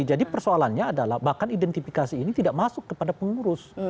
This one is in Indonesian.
jadi persoalannya adalah bahkan identifikasi ini tidak masuk kepada pengurus